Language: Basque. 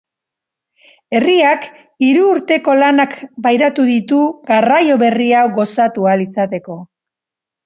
Herriak hiru urteko lanak pairatu ditu garraio berri hau gozatu ahal izateko.